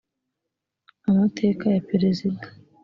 amateka ya perezida